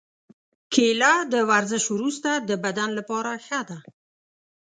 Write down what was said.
کېله د ورزش وروسته د بدن لپاره ښه ده.